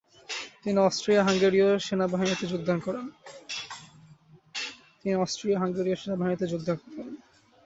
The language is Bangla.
তিনি অস্ট্রিয়-হাঙ্গেরির সেনাবাহিনীতে যোগ দেন।